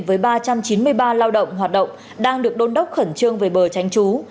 với ba trăm chín mươi ba lao động hoạt động đang được đôn đốc khẩn trương về bờ tránh trú